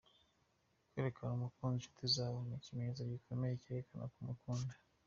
Kwereka umukunzi inshuti zawe ni ikimenyetso gikomeya cyerekana ko umukunda.